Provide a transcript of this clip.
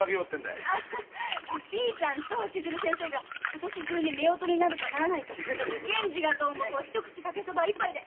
新さんと千鶴先生が今年中に夫婦になるかならないか源次が胴元一口かけそば一杯で。